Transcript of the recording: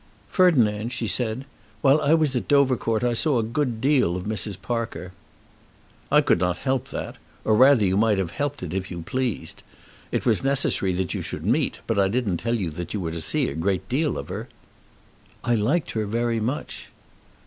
"Ferdinand," she said, "while I was at Dovercourt I saw a good deal of Mrs. Parker." "I could not help that. Or rather you might have helped it if you pleased. It was necessary that you should meet, but I didn't tell you that you were to see a great deal of her." "I liked her very much."